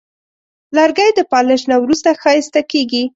لرګی د پالش نه وروسته ښایسته کېږي.